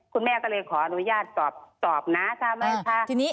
คุณแม่ก็เลยขออนุญาตตอบตอบนะจ้ะมายคะ